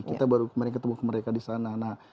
kita baru kemarin ketemu ke mereka di sana